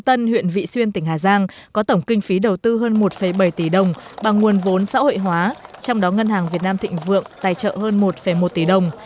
tân huyện vị xuyên tỉnh hà giang có tổng kinh phí đầu tư hơn một bảy tỷ đồng bằng nguồn vốn xã hội hóa trong đó ngân hàng việt nam thịnh vượng tài trợ hơn một một tỷ đồng